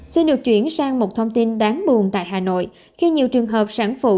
xin được chuyển sang một thông tin đáng buồn tại hà nội khi nhiều trường hợp sản phụ